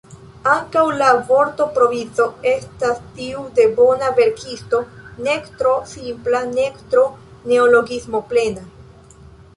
Ankaŭ la vortoprovizo estas tiu de bona verkisto, nek tro simpla nek tro neologismoplena.